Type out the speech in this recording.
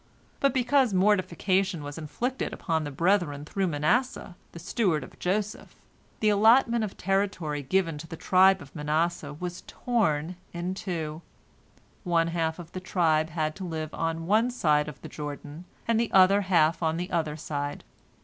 But because mortification was inflicted upon the brethren through Manasseh, the steward of Joseph, the allotment of territory given to the tribe of Manasseh was "torn" in two, one half of the tribe had to live on one side of the Jordan, the other half on the other side.